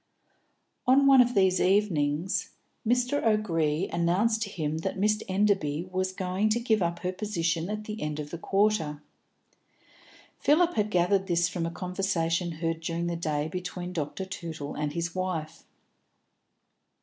On one of these evenings, Mr. O'Gree announced to him that Miss Enderby was going to give up her position at the end of the quarter. Philip had gathered this from a conversation heard during the day between Dr. Tootle and his wife.